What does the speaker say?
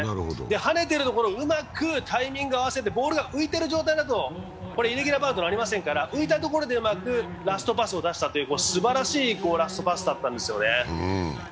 はねてるところをうまくタイミングを合わせて、ボールが浮いている状態だとイレギュラーパスになりませんから、浮いたところでうまくラストパスを出したというすばらしいラストパスだったんですよね。